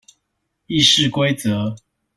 議事規則